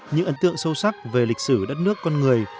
những ấn tượng sâu sắc về lịch sử đất nước con người